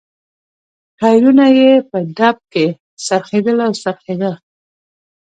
ټایرونه یې په ډب کې څرخېدل او څرخېدل.